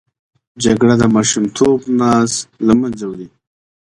جګړه د ماشومتوب ناز له منځه وړي